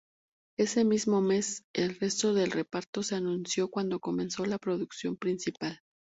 Ese mismo mes, el resto del reparto se anunció cuando comenzó la producción principal.